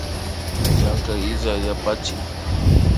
Llankay illak yapachik